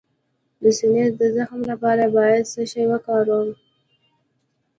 د سینې د زخم لپاره باید څه شی وکاروم؟